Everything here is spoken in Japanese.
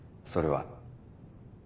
それは。